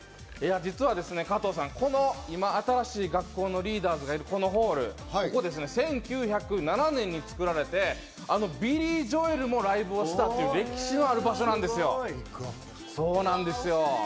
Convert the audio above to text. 加藤さん、実はこの新しい学校のリーダーズがいるホール、１９０７年に造られて、あのビリー・ジョエルもライブをしたという歴史のある場所なんですよ。